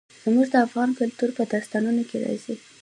زمرد د افغان کلتور په داستانونو کې راځي.